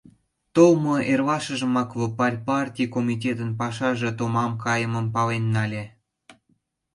Толмо эрлашыжымак Лопарь партий комитетын пашаже томам кайымым пален нале.